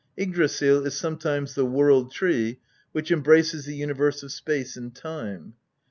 Yggdrasil is sometimes the World Tree, which embraces the Universe of space and time.